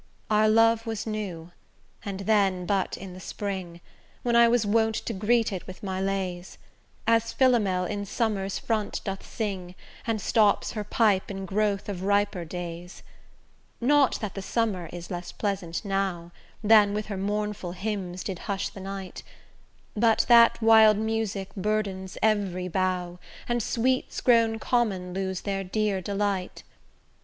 Our love was new, and then but in the spring, When I was wont to greet it with my lays; As Philomel in summer's front doth sing, And stops her pipe in growth of riper days: Not that the summer is less pleasant now Than when her mournful hymns did hush the night, But that wild music burthens every bough, And sweets grown common lose their dear delight.